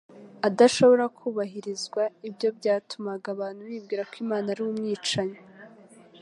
adashobora kubahirizwa. Ibyo byatumaga abantu bibwira ko Imana ari umwicanyi